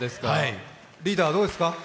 リーダー、どうですか。